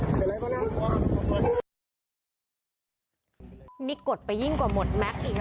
พวกมันต้องกินกันพี่